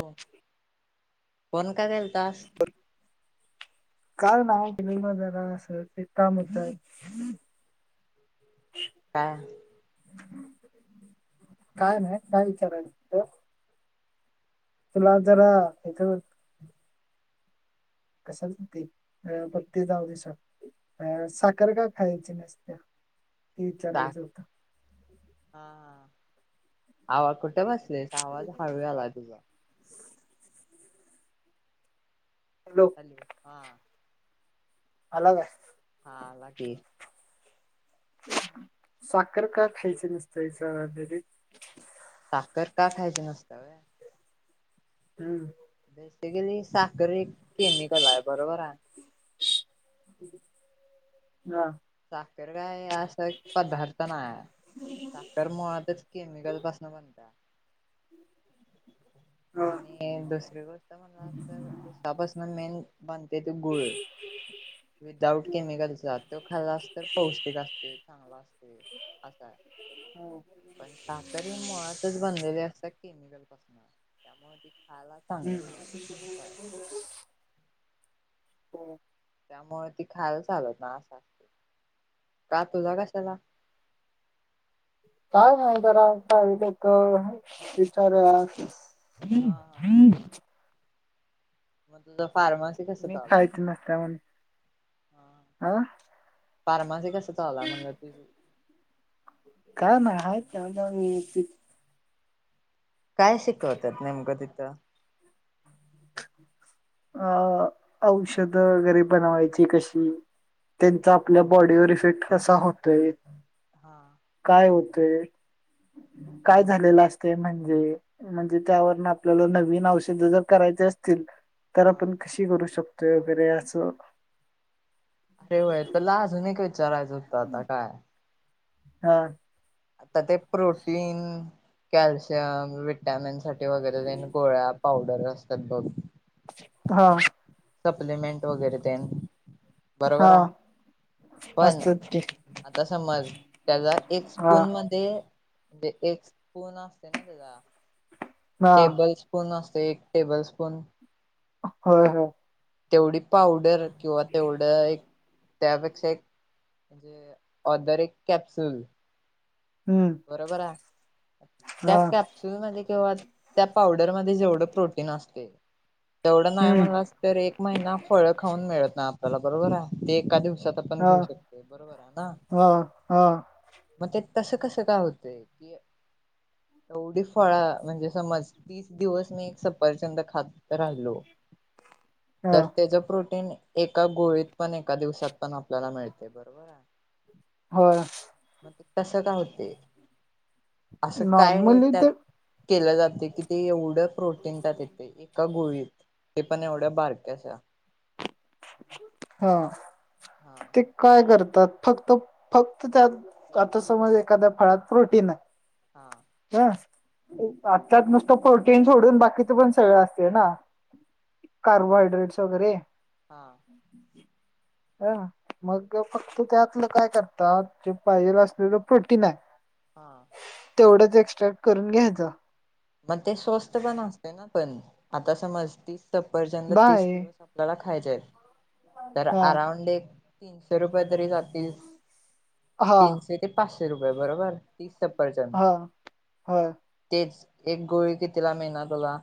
हो कोण फोन का केलतास काय नाय काम होत [inaudible] असं काय काय नाही काय विचारयच होत तुला जरा यथ कस [unintelligible] अ प्रत्ती दहा दिस अ साखर का खायची नसत्या ते सांग? विचारयचं होत आवाज कुठे बसलेस आवाज हळू आलाय तुझा हॅलो हा आला काय हा आला की [inaudible] साखर का खायच नसत विचायालात साखर का खायची नसत्या वय हम्म गली साखर केमिकल आहे बरोबर ह हा अकरर [unintelligible] काय पदार्थ नाही साखर मुळातच केमिकल पासन बनत्या हा हा, आणि दुसरी गोष्ट म्हणला तर उसापासून मेन बनतय ते गुळ विदाउट केमिकलचा तो खाल्ला अस तर पौष्टिक असते चांगला असते असा आहे हा, पण साखर ह मुळातच बनलेले असत्या केमिकल पासन त्यामुळे खरं हम्म चांगली नाही रे असंय हो त्यामुळे ती काय चालत ना अस का तुझा कशाला काय ना तरर आताल तर विचार क हा मग तुझ फार्मसी कस मी चालू खायच नसत्या म्हण हाय हा फार्मसी कसं चाललाय मंग तुझ का नाही आहे तेव्हा मी काय शिकवतात नेमकं तिथं अ औषध वगैरे बनवायची कशी त्यांचा आपल्या बॉडीवर इफेक्ट कसा होतय हा काय होतय [inaudible] काय झालेलं असत म्हणजे म्हणजे त्यावरन आपल्याला नवीन औषध जर करायचे असतील तर हा आपण कशी करू शकतोय वगैरे असं अरे व्हय तला अजून एक विचारायचं होत आता काय हा आता ते प्रोटीन कॅल्शियम विटॅमिन साठी वगैरे जान गोळ्या पावडर असतात बघ हो सप्लिमेंट वगैरे तेन बरोबर हा आहे पण असतात की आता समज त्याचा एक हा स्पून मध्ये म्हणजे एक स्पून असते ना त्याला हा टेबल स्पून अस एक टेबल स्पून होय ह तेवढी पावडर किंवा तेवढं एक त्यापेक्षा एक म्हणजे ऑदर एक कॅप्सुल हम्म बरोबर आहे त्या हा कॅपसुल मध्ये केव्हा त्या पावडरमध्ये जेवढं प्रोटीन असते तेवढं नाही हम्म म्हला तर एक महिना फळ खाऊन मिळत नाही आपल्याला बरोबर आहे ते एका दिवस आपण एका दिवसात हा घेऊ शकतो बरोबर हा हा मग ते तस कस काय होतंय की एवढी फळ म्हणजे समज तीस दिवस मी एक सपरचंद खात राहिलो हा तर त्याच प्रोटीन एका गोळीत पण एका दिवसात पण आपल्याला मिळते बरोबर आहे हो तसं का होते असं काय नॉर्मली त्यात ते केलं जाते की ते एवढं प्रोटीन त्यात यथे एका गोळीत ते पण एवढ्या बारक्याशा हा हा ते काय करत फक्त फक्त त्यात आता समज एखाद्या फळांत प्रोटीन आहे. हा हं भातात नुसतं प्रोटीन सोडून बाकीचे पण सगळं असते ना. कार्बोहायड्रेटस वगैरे. हा [inaudible] ह मग फक्त त्यातलं काय करतात, जे पाहिजेल असलेलं प्रोटीन आहे हां. तेवढंच एक्स्ट्रॅक्ट करून घ्यायचं. मग ते स्वस्त पण असतय ना पण आता समज तीस सफरचंद तीस बाय दिवस आपल्याला खायचे, तर हा अराऊंड एक तीनशे रुपये तरी जातील हा तीनशे ते पाचशे रुपये बरोबर तीस सफ सफरचंद हा ह तेच एक गोळी कितीला मिळनार तुला?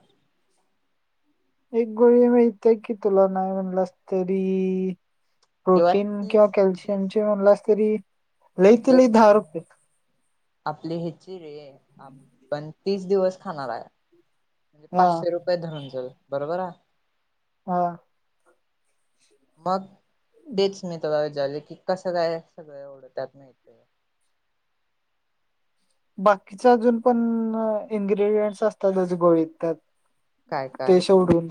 गोळी मिळतेय की तुला, नाही म्हणलस तरी किंवा प्रोटीन किंवा तीस तीस कॅल्शियमचे म्हणलास तरी लई ते जे लई दहा रुपये. आपली हे चि रे आपण तीस दिवस खाणार आहे. हा पाचशे रुपये धरून चल बरोबर आ हां. मग तेच मी तुला विचारले की, कसं काय सगळ एवढं त्यात माहितय [inaudible] बाकीचं अजून पण इन्ग्रेडियंट्स असतातच गोळीत त्या काय त काय ते शोडून.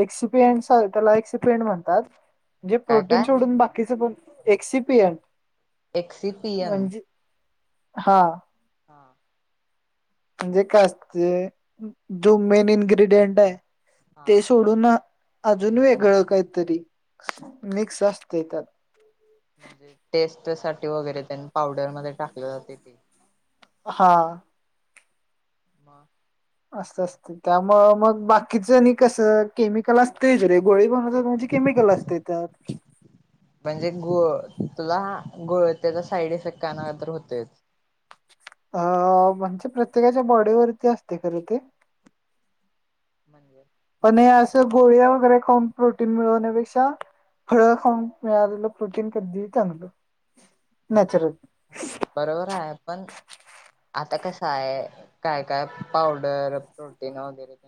एक्सीपीएन्ड सर त्याला एक्सीपीएंड म्हणतात. म्हणजे काय प्रोटीन काय सोडून बाकीचं पण एक्सीपीएन एक्सिपियन. हां. [unintelligible] म्हणजे काय असतं जो मेन इन्ग्रेडियंट आहे ते हा सोडूनं अ अजून वेगळं कांहीतरी मिक्स असतय त्यात. म्हणजे टेस्ट साठी वगैरे त्यांनी पावडरमध्ये टाकले जातंय ते हां. म. असतं असतं त्यामुळं मगं बाकीच नी कसं केमिकल असतय ज रे गोळी बनवतात म्हणजे केमिकल असते त्यात. म्हणजे गो तुला हा गोळ त्याचा साईड इफेक्ट काणावर तर होतोयच अ म्हणजे प्रत्येकाच्या बॉडीवरती असतय का रे ते? [unintelligible] पण हे असं गोळ्या वगैरे खाऊन प्रोटीन मिळवण्यापेक्षा फळ खाऊन मिळालेलं प्रोटीन कधीही चांगलं नॅचरल. हां बरोबर हाय पण आता कसं आये काय काय पावडर प्रोटीन वगैरे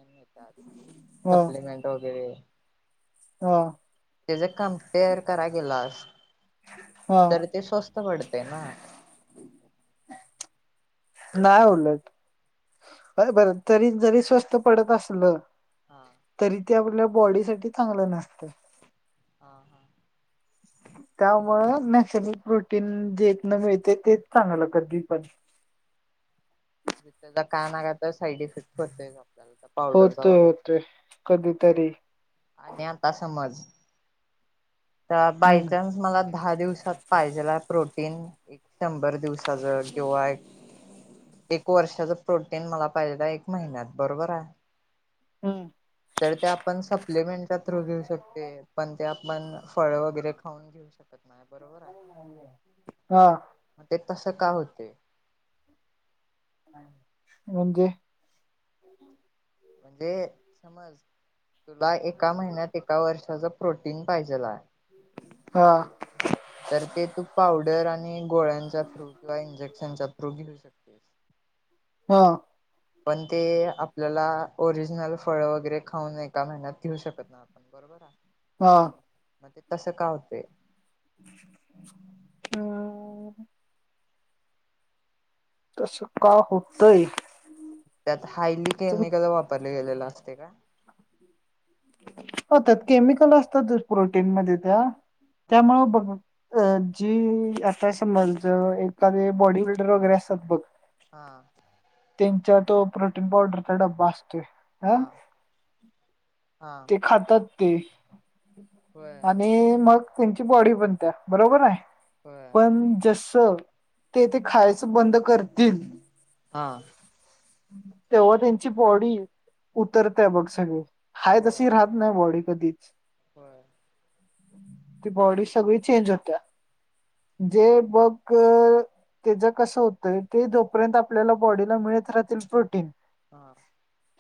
सप्लिमेंट वगैरे हो. ते जर कम्पेअर कराय गेलो आज हा तर ते स्वस्त पडततय ना. नाही उलट बर तरी जरी स्वस्त पडत असलं हां. तरी ते आपल्या बॉडी साठी चांगलं नसते. हां. त्यामुळं नक्ष प्रोटीन जेथन मिळते तेच चांगलं कधी पण. त्या काय नाही तर साईड इफेक्ट होतय. होतोय होतोय कधीतरी आणि आता समज, तर हम्म बायचान्स मला दहा दिवसात पाहिजेला प्रोटीन, एक शंभर दिवसाच किंवा एक एक वर्षाच प्रोटीन मला पाहिजे एक महिन्यात बरोबर आहे? हम् तर ते आपण सप्लिमेंटच्या थ्रू घेऊ शकते. पण त्या आपण फळ वगैरे खाऊन घेऊ शकत नाही बरोबर आहे हा मग ते तसं का होते? म्हणजे? म्हणजे समज. तुला एका महिन्यात एका वर्षाच प्रोटीन पाहिजेल हाय. हा. ते तू पावडर तर आणि गोळ्यांच्या थ्रू किंवा इंजेक्शनच्या थ्रू घेऊ शकतेस. हा. पण ते आपल्याला ओरिजिनल फळ वगैरे खाऊन एका महिन्यात घेऊ शकत ना आपण बरोबर आहे. हा. मग ते तस का होते. हम. तसं का होतंय. त्यात हायली केमिकल वापरले गेलेलं असते का. हो त्यात केमिकल असतात प्रोटीन मध्ये त्या हा त्यामुळ बघ अ जी आता समज एखादे बॉडी बिल्डर वगैरे असतात बघ, हा. त्यांचा तो प्रोटीन पावडरचा डबा असतोय ह. हा हा ते खातात ते होय आणि मग त्यांची बॉडी बाणत्या बरोबर हाय, होय पण जस ते खायचं बंद करतील. हा. तेव्हा त्यांची बॉडी उतरतेय बघ सगळी. हाय तशी राहत नाही बॉडी कधीच. होये. ती बॉडी सगळी चेंज होत्या जे बघग त्याच कसं होतंय ते जोपर्यंत आपल्याला बॉडीला मिळत राहतील प्रोटीन. हा.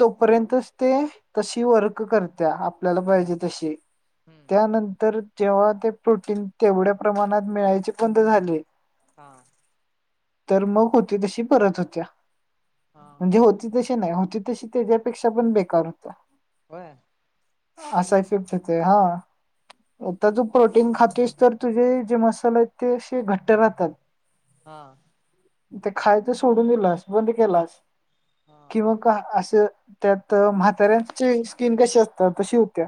तोपर्यंतच ते तशी वर्क करत्या आपल्याला पाहिजे तशी. हम्म त्यानंतर जेव्हा ते प्रोटीन तेवढ्या प्रमाणात मिळायचे बंद झाले. हा. तर मग होती तशी परत होत्या हा हा म्हणजे होती तशी नाही होती तशी त्याच्यापेक्षा पण बेकार होत्या. होय. आस शाफबचे ते हा. ता तू प्रोटीन खातेस तर तुझे जे मसाल आहेत ते असे घट्ट राहतात. हा. ते खायच सोडून दिलास बंद केलास हा किंवा का असं त्यात म्हाताऱ्यांची स्किन कशी असत्या तशी होत्या.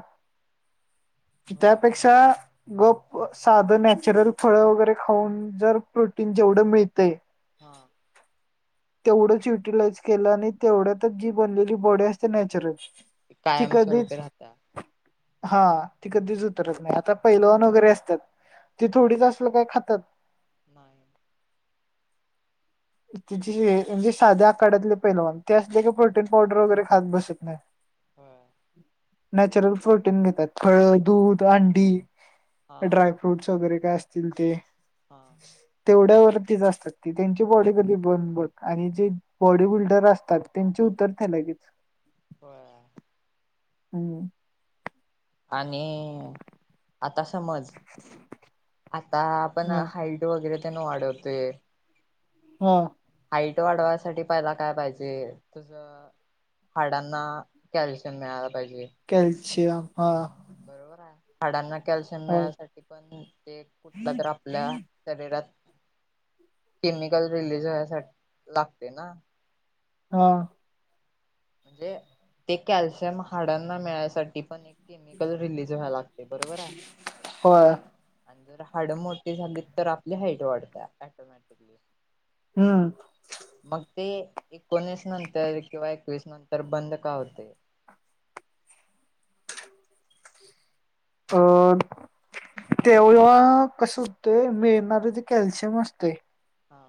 होय त्यापेक्षा गप साधन नॅचरल फळं वगैरे खाऊन जर प्रोटीन जेवढं मिळते. हा. तेवढंच युटिलाइज केलं आणि तेवढ्यातच जी बनलेली बॉडी असते नॅचरल. ती कायम स्वरूपी कधीच राहत्या. हा ती कधीच उतरत नाही आता पैलवान वगैरे असतात ती हा थोडीच असत खात्यात. नाही. त म्हणजे साध्या आकारड्याातले पैलवान ते असले क प्रोटीन पावडर वगैरे खात बसत नाही. होय. नॅचरल प्रोटीन घेतात फळ दूध अंडी हा ड्राय फ्रूट्स वगैरे काय अस तील ते हा तेवढ्यावरतीच असतात ती त्याची बॉडी कधी ब बघ आणि जे बॉडी बिल्डर असतात त्यांचे उतरते लगेच. होय. [unintelligible] आणि आता समज आता आपण हा हाईट वगैरे त्यांना वाढवते हा हाईट वाढवायसाठी पहिला काय पाहिजे तुझ हाडांना कॅल्शियम मिळाला पाहिजे [inaudible] बरोबर आहे झाडांना कॅल्शियम हा मिळासाठी पण ते कुठला तर आपल्या शरीरात केमिकल रिलीज वयसाठी लागते ना हं म्हणजे ते कॅल्शियम हाडांना मिळायसाठी पण एक केमिकल रिलीज व्हा लागत. ते बरोबर आहे होय अज रा हाड मोठी झाली तर आपली हाईट वाढतया ऍटोमॅटिकली हम्म [inaudible] ते एकोणीस नंतर किंवा एकवीस नंतर बंद का होते अं तेव्हा कस होत मिळणारे ते कॅल्शियम असतय हा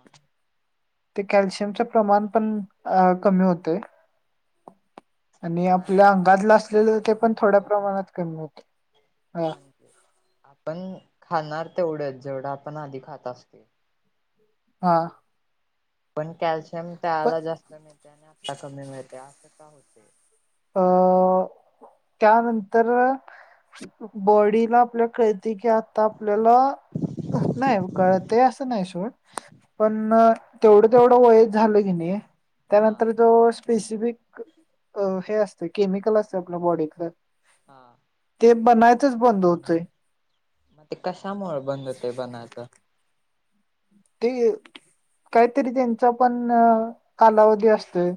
ते कॅल्शियमचे प्रमाण पण अ कमी होतय आणि नाही आपल्या अंगातलं तसं कसे असलेलं काय ते कमी पण थोड्या होते प्रमाणात कमी होते म्हणजे आपण खाणार तेवढंच जेवढं आपण आधी खात असतय हा पण कॅल्शियम पण त्याला जास्त मिळते आणि आत्ता कमी मिळते असं का होते? अ त्यानंतर बॉडीला आपल्या ख त की आता आपल्याला नाही कळत असं नाही सोड पण तेवढं तेवढं वयच झालं की नाही हा त्यानंतर जो स्पेसिफिक हे असत केमिकल असत आपल्या बॉडीतलं हा ते बनायचंच बंद होतंय. ते कशामुळे बंद होतय बनायचं? ते काहीतरी त्यांचा पण कालावधी असतोय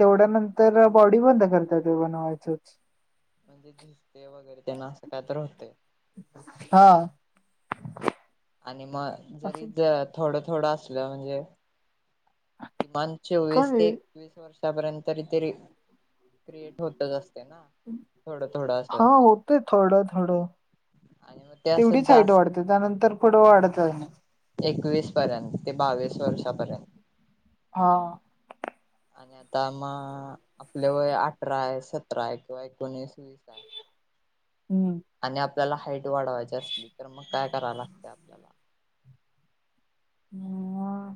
तेवढ्या नंतर बॉडी बंद करतात बनवायचच म्हणजे [unintelligible] वगैरे त्यांना असं काय तर होतय हा आणि मग जरी असं ज थोडं थोडं असलं म्हणजे किमान चोवीस ते काय एकवीस वर्षापर्यंत तरी ते री- क्रिएट होतच असत. हा होतय थोडं थोडं आणि मग ते असं तेवढीच हाईट जास्त वाढते. त्यानंतर पुढं वाढत जाई ना. एकवीस पर्यंत. ते बावीस वर्षापर्यंत. हा आणि आता मग आपल्या वय अठरा, आहे सतरा आहे, किंवा एकोणीस, वीस आहे हम्म. त्याला हाईट वाढवायची असली, तर मग काय कराव लागते आपल्याला? मं.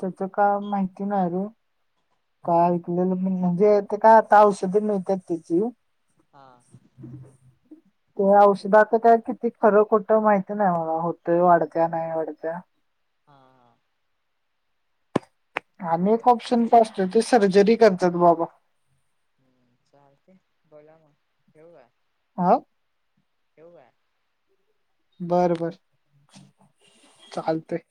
त्याच का माहिती नाही रे! काय ऐकलेलं, पण म्हणजे ते काय आता, औषधी मिळतात त्याची हा. ते औषधाच त्या किती खरं खोटं माहिती नाही मला. होतंय वाढतय, नाही वाढत्या. हा-हा. आणि एक बर ऑप्शन पण असत, ते सर्जरी करतात बाबा. हम्म. चालते बोल मग, ठेऊ काय? हा. ठेऊ काय? बर-बर चालतय.